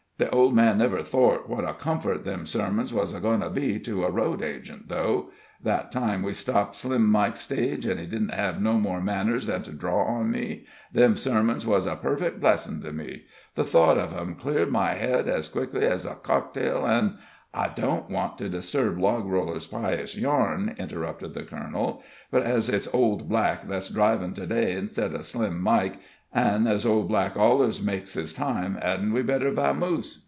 The old man never thort what a comfort them sermons wus a goin' to be to a road agent, though. That time we stopped Slim Mike's stage, an' he didn't hev no more manners than to draw on me, them sermons wus a perfec' blessin' to me the thought uv 'em cleared my head ez quick ez a cocktail. An' " "I don't want to disturb Logroller's pious yarn," interrupted the colonel; "but ez it's Old Black that's drivin' to day instid of Slim Mike, an' ez Old Black ollers makes his time, hedn't we better vamose?"